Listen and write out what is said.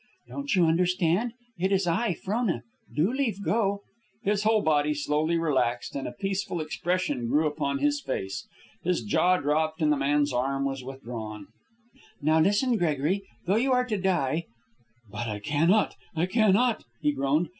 "Don't you understand? It is I, Frona. Do leave go." His whole body slowly relaxed, and a peaceful expression grew upon his face. His jaw dropped, and the man's arm was withdrawn. "Now listen, Gregory. Though you are to die " "But I cannot! I cannot!" he groaned.